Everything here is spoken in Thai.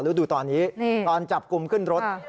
แล้วดูตอนนี้ก่อนจับกุมขึ้นรถ